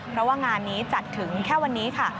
เพราะว่างานนี้จัดถึงแค่วันนี้ค่ะ